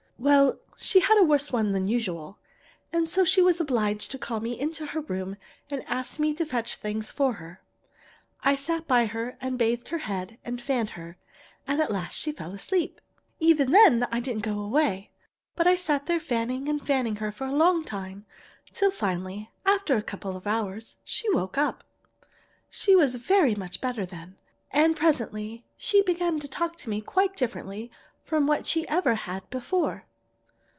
"Well, she had a worse one than usual, and so she was obliged to call me into her room and ask me to fetch things for her. I sat by her and bathed her head and fanned her, and at last she fell asleep. Even then I didn't go away, but sat there fanning and fanning her for a long time, till finally, after a couple of hours, she woke up. "She was very much better then, and presently she began to talk to me quite differently from what she ever had before.